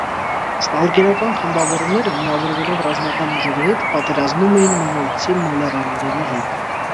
Ստալկերական խմբավորումները, միավորվելով ռազմական ուժերի հետ, պատերազմում էին մոնոլտցի մոլեռանդների հետ։